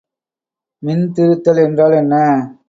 மின்திருத்தல் என்றால் என்ன?